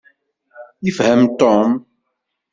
Yefhem Tom.